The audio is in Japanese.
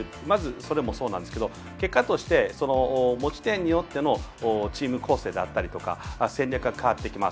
それもそうなんですが結果としてその持ち点によってのチーム構成であったりとか戦略が変わってきます。